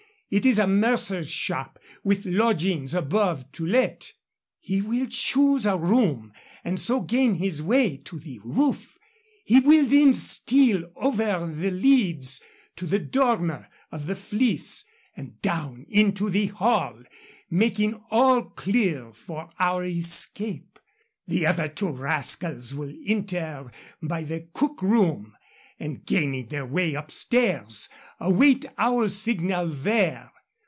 It is a mercer's shop, with lodgings above, to let. He will choose a room, and so gain his way to the roof. He will then steal over the leads to the dormer of the Fleece and down into the hall, making all clear for our escape. The other two rascals will enter by the cook room, and, gaining their way upstairs, await our signal there.